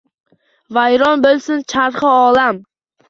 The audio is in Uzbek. Vayron bo’lsin charxi olam!